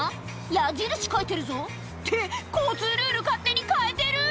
矢印描いてるぞって交通ルール勝手に変えてる！